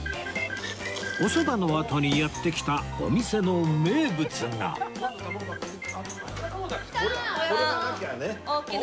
おそばのあとにやって来たお店の名物が来た親子丼！